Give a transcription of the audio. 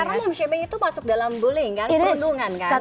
karena mom shaming itu masuk dalam bullying kan perundungan kan